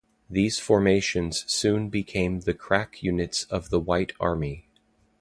These formations soon became the crack units of the White Army.